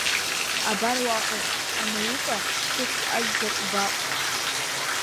Абар уахәаԥш анаука сыхәшьадзар убап…